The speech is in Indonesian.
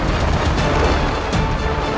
raden terpaksa menangkap kake guru